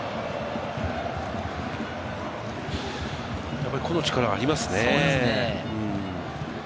やはり、個の力がありますね。